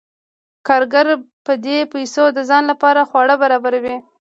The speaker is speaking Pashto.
کارګر په دې پیسو د ځان لپاره خواړه برابروي